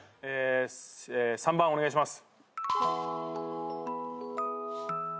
３番お願いします。